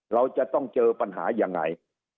เราจะต้องเจอปัญหายังไง